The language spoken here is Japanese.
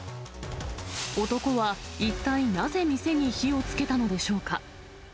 男は一体なぜ店に火をつけたのでしょうか。